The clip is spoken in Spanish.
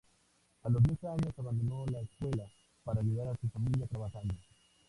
A los diez años abandonó la escuela, para ayudar a su familia trabajando.